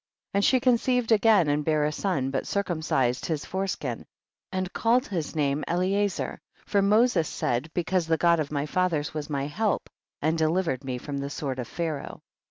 10. And she conceived again and bare a son, but circumcised his fore skin, and called his name Eliezer, for Moses said, because the God of my fathers was my help, and delivered me from the sword of Pharaoh.